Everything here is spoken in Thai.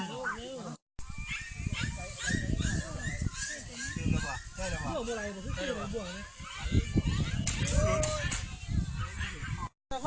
สวัสดีครับ